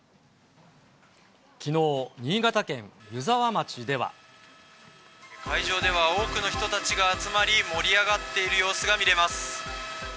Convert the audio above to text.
きのう、会場では多くの人たちが集まり、盛り上がっている様子が見れます。